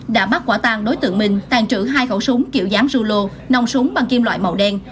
đã bắt quả tàn đối tượng minh tàn trữ hai khẩu súng kiểu giám rưu lô nòng súng bằng kim loại màu đen